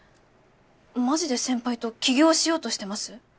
マジで先輩と起業しようとしてます？